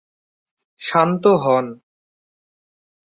শান্ত হন।